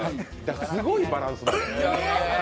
すごいバランスです。